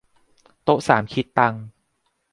โต๊ะสามคิดตังค์